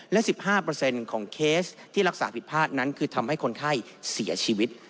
และ๑๕ของเคสที่รักษาผิดพลาดนั้นคือทำให้คนไข้เสียชีวิต